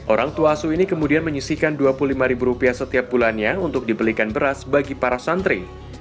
orang tua asuh ini kemudian menyisikan rp dua puluh lima ribu rupiah setiap bulannya untuk dibelikan beras bagi para santri